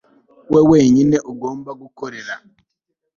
we wenyine d ugomba gukorera